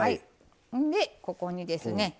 でここにですねえっと